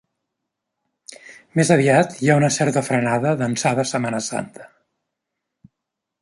Més aviat hi ha una certa frenada d’ençà de Setmana Santa.